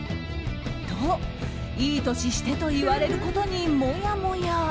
と、いい年してと言われることに、もやもや。